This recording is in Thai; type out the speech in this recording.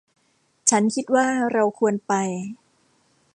ฉันคิดว่าเราควรไป